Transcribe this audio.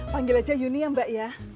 panggil aja yunia mbak ya